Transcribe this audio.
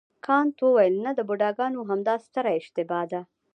کانت وویل نه د بوډاګانو همدا ستره اشتباه ده.